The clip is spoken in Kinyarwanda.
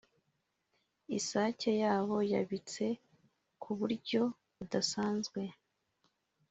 isake yabo yabitse ku buryo budasazwe